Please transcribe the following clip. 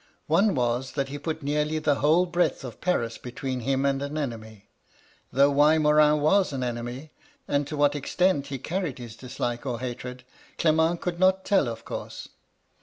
One was, that he put nearly the whole breadth of Paris between him and an enemy ; though why Morin was an enemy, and to what extent he carried his dislike or hatred, Clement could not tell, of course.